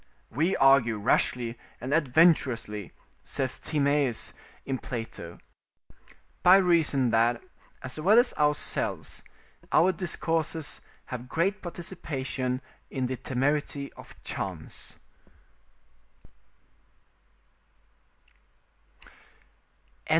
"We argue rashly and adventurously," says Timaeus in Plato, "by reason that, as well as ourselves, our discourses have great participation in the temerity of chance."